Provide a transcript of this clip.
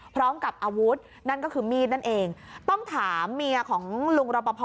พร้อมกับอาวุธนั่นก็คือมีดนั่นเองต้องถามเมียของลุงรปภ